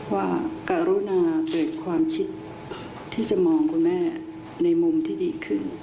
ว่ากรุณาเกิดความคิดที่จะมองคุณแม่ในมุมที่ดีขึ้น